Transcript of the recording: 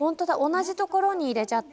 同じところに入れちゃってる。